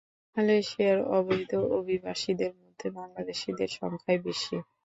মালয়েশিয়ায় অবৈধ অভিবাসীদের মধ্যে বাংলাদেশিদের সংখ্যাই বেশি।